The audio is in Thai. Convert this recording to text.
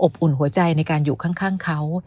อุ่นหัวใจในการอยู่ข้างเขา